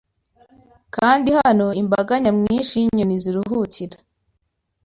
Kandi hano imbaga nyamwinshi yinyoni ziruhukira